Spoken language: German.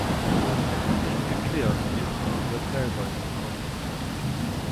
Es ist nicht geklärt, wie es zu dieser Zählweise gekommen ist.